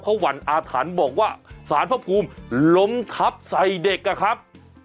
เพราะหวั่นอาถรรพ์บอกว่าสารพระภูมิล้มทับใส่เด็กอะครับ